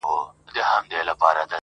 • ملامت نۀ وه كۀ يى مخ كۀ يى سينه وهله..